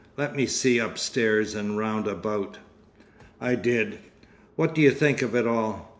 "Let me see upstairs and round about." I did. "What do you think of it all?"